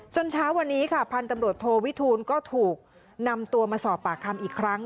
เช้าวันนี้ค่ะพันธุ์ตำรวจโทวิทูลก็ถูกนำตัวมาสอบปากคำอีกครั้ง